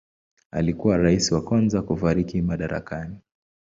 Alikuwa rais wa kwanza kufariki madarakani.